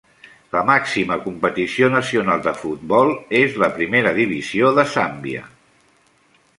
La màxima competició nacional de futbol és la Primera Divisió de Zàmbia.